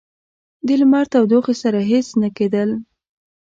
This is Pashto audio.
د لمر تودوخې سره هیڅ نه کېدل.